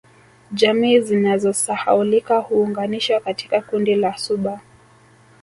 Jamii zinazosahaulika huunganishwa katika kundi la Suba